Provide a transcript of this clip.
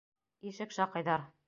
Ишек шаҡыйҙар!